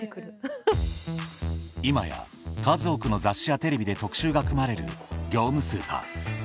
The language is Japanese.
今や数多くの雑誌やテレビで特集が組まれる業務スーパー